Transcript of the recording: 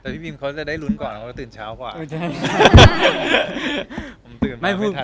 พี่ปิมเขาจะได้รุนก่อนเพราะตื่นช้าแล้ว